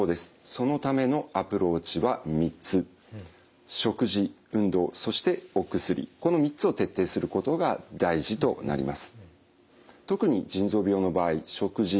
そのためのアプローチは３つこの３つを徹底することが大事となります。